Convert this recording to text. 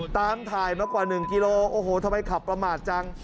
ตามถ่ายมากว่า๑กิโลโอ้โหทำไมขับประมาทจัง